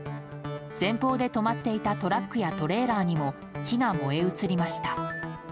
前方で止まっていたトラックやトレーラーにも火が燃え移りました。